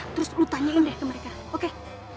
terus lo tanyain deh ke mereka oke oke